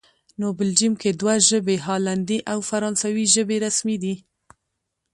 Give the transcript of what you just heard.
نو بلجیم کې دوه ژبې، هالندي او فرانسوي ژبې رسمي دي